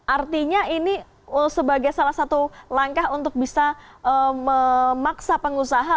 artinya ini sebagai salah satu langkah untuk bisa memaksa pengusaha